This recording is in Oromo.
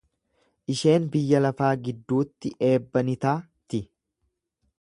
Isheen biyya lafaa gidduutti eebba ni ta'ti.